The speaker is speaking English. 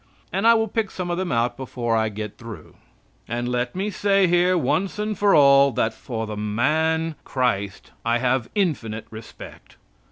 And I will pick some of them out before I get through. And let me say here, once for all, that for the man Christ I have infinite respect.